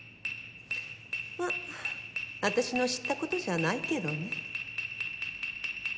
まっ私の知ったことじゃないけどね。